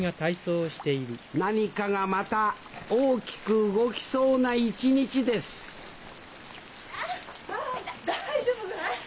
何かがまた大きく動きそうな一日ですあっ痛っ！